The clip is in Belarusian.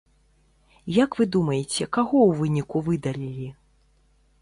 Як вы думаеце, каго ў выніку выдалілі?